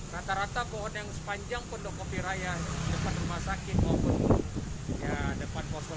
rata rata pohon yang sepanjang pondokopi raya depan rumah sakit maupun depan posko